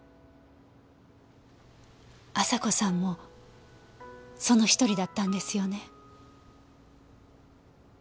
亜沙子さんもその１人だったんですよね。